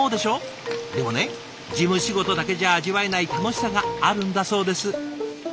でもね事務仕事だけじゃ味わえない楽しさがあるんだそうです。